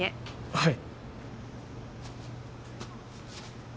はい。